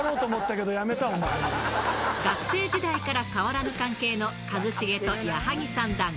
学生時代から変わらぬ関係の一茂と矢作さんだが。